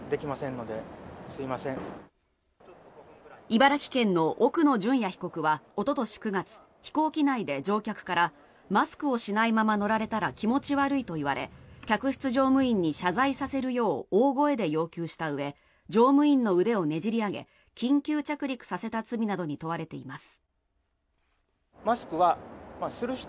茨城県の奥野淳也被告はおととし９月飛行機内で乗客からマスクをしないまま乗られたら気持ち悪いと言われ客室乗務員に謝罪させるよう大声で要求したうえ乗務員の腕をねじり上げ緊急着陸させた罪などに問われています。